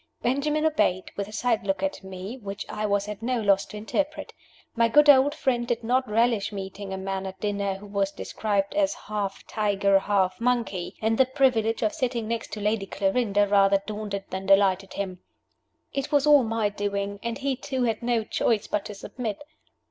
Benjamin obeyed with a side look at me, which I was at no loss to interpret. My good old friend did not relish meeting a man at dinner who was described as "half tiger, half monkey;" and the privilege of sitting next to Lady Clarinda rather daunted than delighted him. It was all my doing, and he too had no choice but to submit.